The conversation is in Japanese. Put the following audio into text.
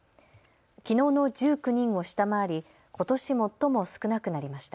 きのうの１９人を下回りことし最も少なくなりました。